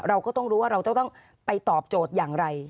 เราก็ต้องรู้ว่าเราจะต้องไปตอบโจทย์อย่างไร